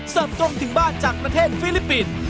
เสิร์ฟกลมถึงบ้านจากประเทศฟิลิปปินส์